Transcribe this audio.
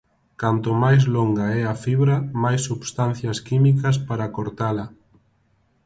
Canto máis longa é a fibra, máis substancias químicas para cortala.